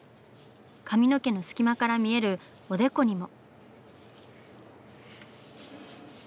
髪の毛の隙間から見えるおでこにも。